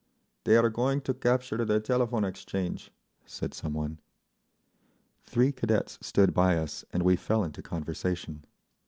"They are going to capture the Telephone Exchange," said some one. Three cadets stood by us, and we fell into conversation.